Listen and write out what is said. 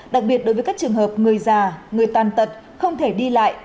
đặc biệt đối với các trường hợp người già người tan tật không thể đi lại